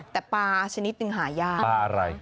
แต่ปลาชนิดนึงหายากปลาอะไร